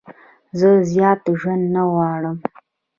زه زیات ژوند نه غواړم.